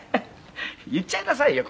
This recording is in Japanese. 言っちゃいなさいよ